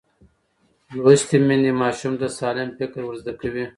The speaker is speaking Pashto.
لوستې میندې ماشوم ته سالم فکر ورزده کوي.